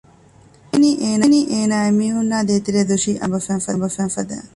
އެހެނީ އޭނާ އެމީހުންނާ ދޭތެރޭ ދުށީ އަމިއްލަ މައިންބަފައިން ފަދައިން